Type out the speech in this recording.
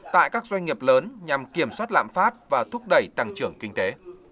tại các doanh nghiệp lớn nhằm kiểm soát lạm phát và thúc đẩy tăng trưởng kinh tế